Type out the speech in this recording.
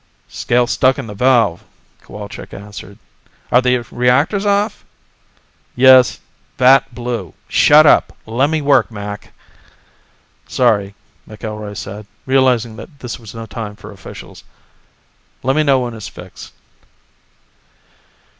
"Scale stuck in the valve," Cowalczk answered. "Are the reactors off?" "Yes. Vat blew. Shut up! Let me work, Mac!" "Sorry," McIlroy said, realizing that this was no time for officials. "Let me know when it's fixed."